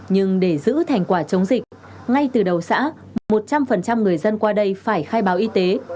nhưng để giữ thành quả chống dịch ngay từ đầu xã mà một trăm linh người dân qua đây phải khai báo y tế